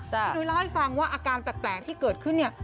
พี่นุ้ยเล่าให้ฟังว่าอาการแปลกที่เกิดขึ้นเนี่ย